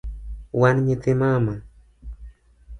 Wan nyithi mama